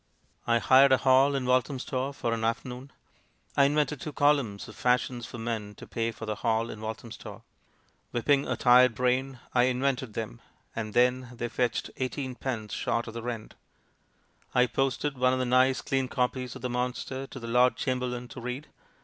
"I hired a hall in Walthamstow for an after noon. I invented two columns of Fashions for Men to pay for the hall in Walthamstow. Whip ping a tired brain, I invented them — and then they fetched eighteenpence short of the rent. I posted one of the nice, clean copies of the mon ster to the Lord Chamberlain to read.